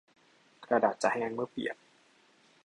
กระดาษจะแห้งเมื่อเปียก